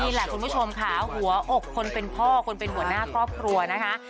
นี่แหละคุณผู้ชมค่ะหัวอกคนเป็นพ่อคนเป็นหัวหน้าครอบครัวนะคะ